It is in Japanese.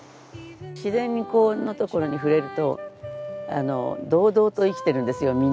自然にこんなところに触れるとあの堂々と生きてるんですよ